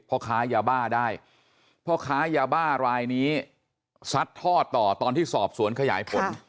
พ่อค้ายาบ้าได้พ่อค้ายาบ้ารายนี้ซัดทอดต่อตอนที่สอบสวนขยายผล